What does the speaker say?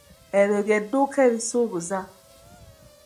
Eryo ly'edduuka erisuubuza?